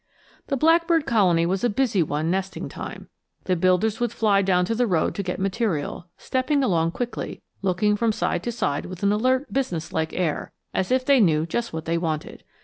The blackbird colony was a busy one nesting time. The builders would fly down to the road to get material, stepping along quickly, looking from side to side with an alert, business like air, as if they knew just what they wanted.